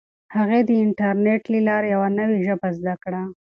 هغې د انټرنیټ له لارې یوه نوي ژبه زده کړه.